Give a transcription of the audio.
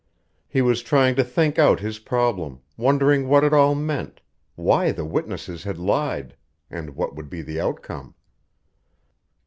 He was trying to think out his problem, wondering what it all meant, why the witnesses had lied, and what would be the outcome.